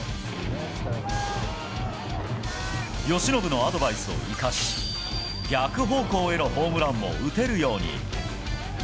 由伸のアドバイスを生かし、逆方向へのホームランも打てるように。